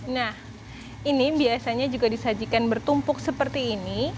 nah ini biasanya juga disajikan bertumpuk seperti ini